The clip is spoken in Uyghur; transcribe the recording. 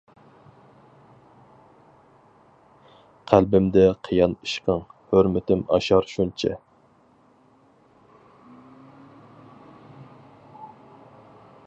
قەلبىمدە قىيان ئىشقىڭ، ھۆرمىتىم ئاشار شۇنچە.